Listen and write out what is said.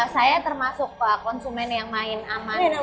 saya termasuk konsumen yang main aman